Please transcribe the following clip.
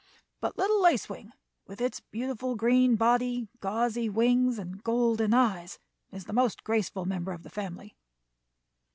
But little Lace Wing, with its beautiful green body, gauzy wings, and golden eyes, is the most graceful member of the family."